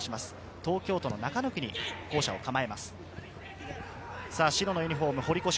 東京・中野区に校舎を構えます。